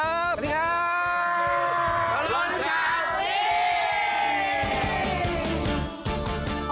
สวัสดีค่ะ